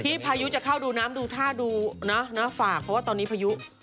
พายุจะเข้าดูน้ำดูท่าดูนะฝากเพราะว่าตอนนี้พายุ